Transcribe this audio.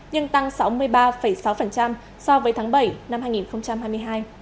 nhưng tăng sáu mươi ba sáu so với tháng bảy năm hai nghìn hai mươi hai